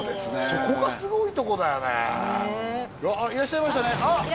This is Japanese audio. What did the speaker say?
そこがすごいとこだよねねえあっいらっしゃいましたね